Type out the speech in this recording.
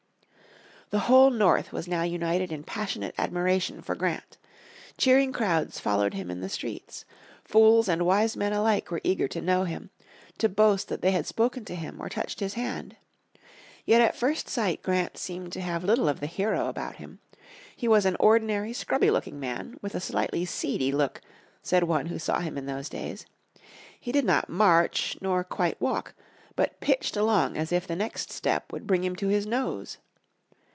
The whole North was now united in passionate admiration for Grant. Cheering crowds followed him in the streets. Fools and wise men alike were eager to know him, to boast that they had spoken to him or touched his hand. Yet at first sight Grant seemed to have little of the hero about him. He was an "ordinary, scrubby looking man, with a slightly seedy look," said one who saw him in those days. "He did not march nor quite walk, but pitched along as if the next step would bring him to his nose."